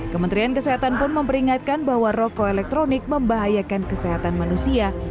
kementerian kesehatan pun memperingatkan bahwa rokok elektronik membahayakan kesehatan manusia